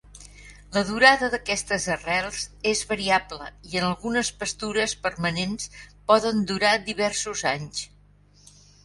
La durada d'aquestes arrels és variable i en algunes pastures permanents poden durar diversos anys.